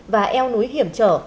và eo núi hiểm trở